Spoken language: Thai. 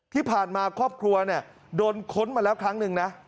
ที่ผ่านมาครอบครัวเนี่ยโดนค้นมาแล้วครั้งหนึ่งนะ